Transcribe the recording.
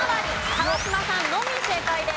川島さんのみ正解です。